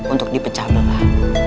untuk dipecah belah